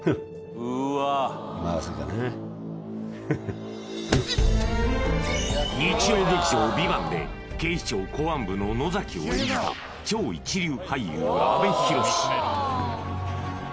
まさかなイッテッで警視庁公安部の野崎を演じた超一流俳優・阿部寛